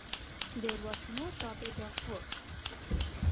There was no shortage of work.